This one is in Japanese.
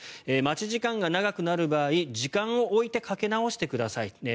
待ち時間が長くなる場合時間をおいてかけ直してください。